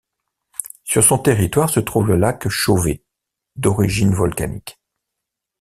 Sur son territoire se trouve le lac Chauvet, d'origine volcanique.